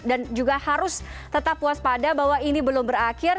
dan juga harus tetap puas pada bahwa ini belum berakhir